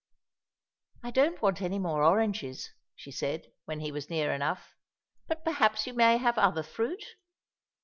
"I don't want any more oranges," she said, when he was near enough, "but perhaps you may have other fruit?"